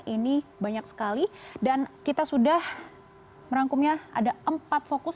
ini banyak sekali dan kita sudah merangkumnya ada empat fokus